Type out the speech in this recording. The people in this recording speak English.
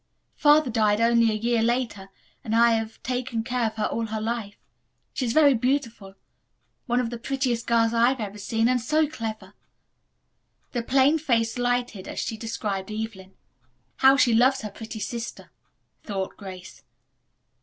Father died only a year later and I have taken care of her all her life. She is very beautiful. One of the prettiest girls I have ever seen, and so clever." The plain face lighted as she described Evelyn. "How she loves her pretty sister," thought Grace.